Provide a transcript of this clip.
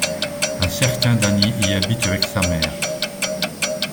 Un certain Dany y habite avec sa mère.